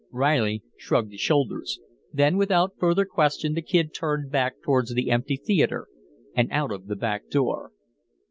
Reilly shrugged his shoulders, then without further question the Kid turned back towards the empty theatre and out of the back door.